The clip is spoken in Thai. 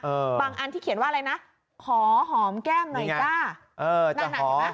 เออบางอันที่เขียนว่าอะไรนะขอหอมแก้มหน่อยจ้าเออจะขอ